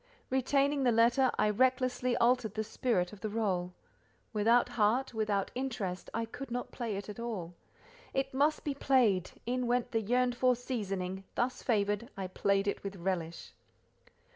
Retaining the letter, I recklessly altered the spirit of the rôle. Without heart, without interest, I could not play it at all. It must be played—in went the yearned for seasoning—thus favoured, I played it with relish.